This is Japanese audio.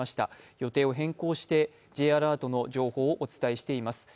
予定を変更してＪアラートの情報をお伝えしています。